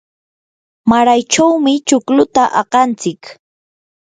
maraychawmi chukluta aqantsik.